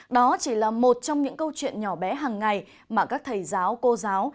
đó chỉ là một trong những câu chuyện nhỏ bé hàng ngày mà các thầy giáo cô giáo